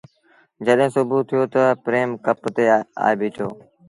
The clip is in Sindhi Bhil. جڏهيݩٚ سُڀوٚ ٿيو تا پريم ڪپ تي آئي بيٚٺو۔